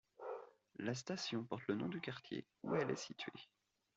La station porte le nom du quartier où elle est située.